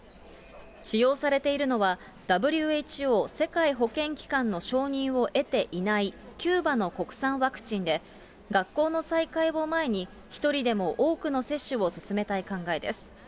使用されているのは、ＷＨＯ・世界保健機関の承認を得ていないキューバの国産ワクチンで、学校の再開を前に、一人でも多くの接種を進めたい考えです。